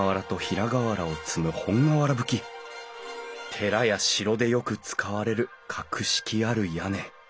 寺や城でよく使われる格式ある屋根。